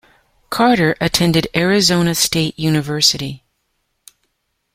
Carter attended Arizona State University.